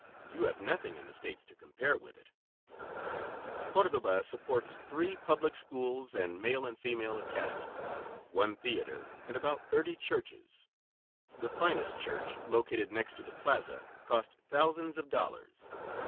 "You have nothing in the States to compare with it." Cordoba supports three public schools and male and female academies, one theater and about thirty churches. The finest church, located next to the plaza, cost thousands of dollars.